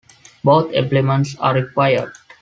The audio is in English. Both elements are required.